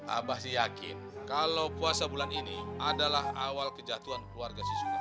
abah sih yakin kalau puasa bulan ini adalah awal kejatuhan keluarga siswa